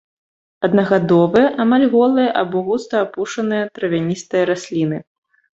Аднагадовыя, амаль голыя або густа апушаныя травяністыя расліны.